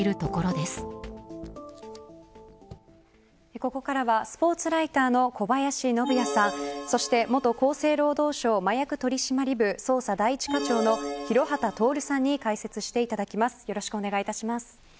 ここからはスポーツライターの小林信也さんそして、元厚生労働省麻薬取締部捜査第一課長の廣畑徹さんに解説していただきます。